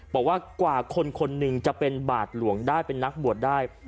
บอกว่ากว่าคนคนหนึ่งจะเป็นบาทหลวงได้เป็นนักบวชได้